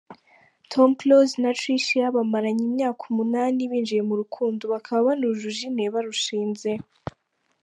Tom Close na Tricia bamaranye imyaka umunani binjiye mu rukundo bakaba banujuje ine barushinze.